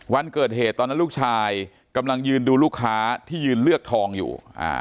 วันเกิดเหตุตอนนั้นลูกชายกำลังยืนดูลูกค้าที่ยืนเลือกทองอยู่